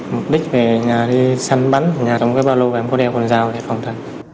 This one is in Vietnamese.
mục đích về nhà đi xanh bánh nhà trong cái ba lô em có đeo quần dao để phòng thân